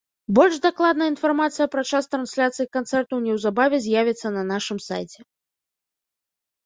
Больш дакладная інфармацыя пра час трансляцыі канцэрту неўзабаве з'явіцца на нашым сайце.